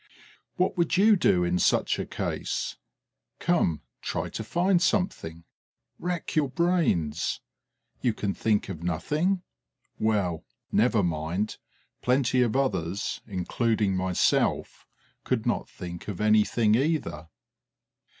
What would you do in such a case? Come, try to find something! Rack your brains! You can think of nothing? Well, never mind: plenty of others, including myself, could not think of anything either.